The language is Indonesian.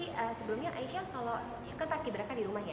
jadi sebelumnya aisyah kalau kan paski beraka di rumah ya